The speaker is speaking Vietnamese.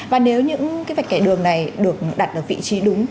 và nếu những cái vạch kẻ đường này được đặt ở vị trí đúng